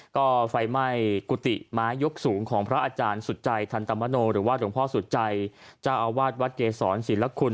ก็ไฟไหม้กุฏิไม้ยกสูงของพระอาจารย์สุจัยทันตมโนหรือว่าหลวงพ่อสุดใจเจ้าอาวาสวัดเกษรศิลคุณ